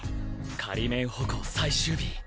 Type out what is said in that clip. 仮免補講最終日！